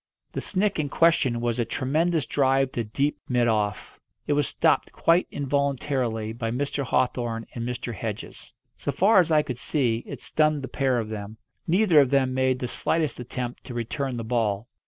The "snick" in question was a tremendous drive to deep mid off. It was stopped, quite involuntarily, by Mr. Hawthorn and Mr. Hedges. So far as I could see, it stunned the pair of them. Neither of them made the slightest attempt to return the ball.